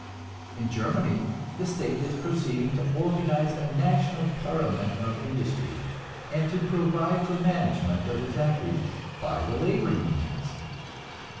In Germany the state is proceeding to organize a national parliament of industry, and to provide for management of the factories by the labor unions.